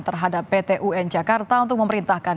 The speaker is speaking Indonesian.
terhadap pt un jakarta untuk memerintahkan